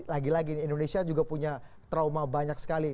lagi lagi indonesia juga punya trauma banyak sekali